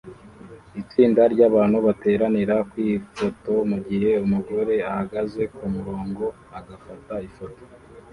Itsinda ryabantu bateranira kwifoto mugihe umugore ahagaze kumurongo agafata ifoto